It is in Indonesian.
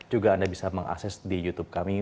juga anda bisa mengakses di youtube kami